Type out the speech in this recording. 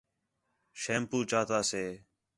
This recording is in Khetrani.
شیمپو چاتا سے